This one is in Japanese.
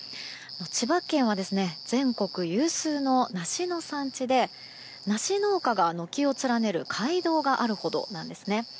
千葉県は、全国有数の梨の産地で梨農家が軒を連ねる街道があるほどなんですね。